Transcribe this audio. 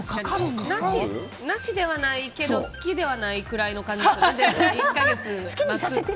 なしではないけど好きではないぐらいの感じなんじゃないの。